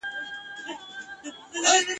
د یوویشتمي پېړۍ په درېیمه لسیزه کي ..